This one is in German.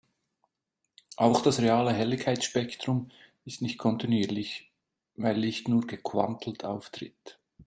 Auch das reale Helligkeitsspektrum ist nicht kontinuierlich, weil Licht nur gequantelt auftritt.